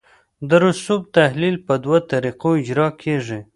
د رسوب تحلیل په دوه طریقو اجرا کیږي